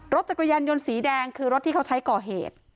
รถจักรยานยนต์สีแดงคือรถที่เขาใช้ก่อเหตุ